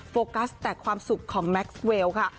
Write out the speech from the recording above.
โฟกัสแต่ความสุขของแม็กซ์เวลค่ะ